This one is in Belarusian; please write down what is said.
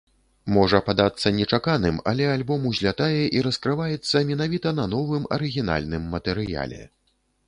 Можа падацца нечаканым, але альбом узлятае і раскрываецца менавіта на новым арыгінальным матэрыяле.